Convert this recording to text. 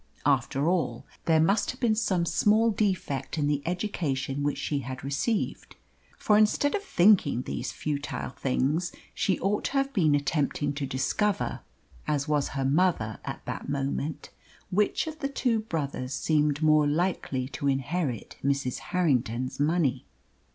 After all, there must have been some small defect in the education which she had received, for instead of thinking these futile things she ought to have been attempting to discover as was her mother at that moment which of the two brothers seemed more likely to inherit Mrs. Harrington's money.